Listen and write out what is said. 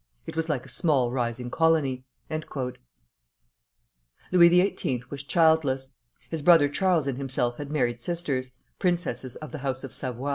It was like a small rising colony." Louis XVIII. was childless. His brother Charles and himself had married sisters, princesses of the house of Savoy.